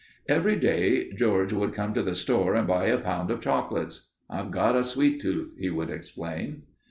Every day George would come to the store and buy a pound of chocolates. "I've got a sweet tooth," he would explain.